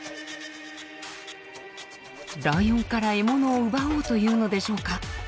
ライオンから獲物を奪おうというのでしょうか？